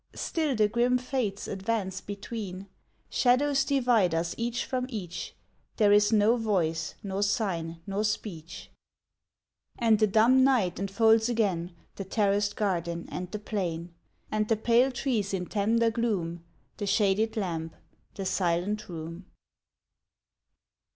Still the grim fates advance between ; Shadows divide us each from each,— There is no voice, nor sign, nor speech, — And the dumb night enfolds again The terraced garden and the plain, And the pale trees in tender gloom, The shaded lamp, the silent room.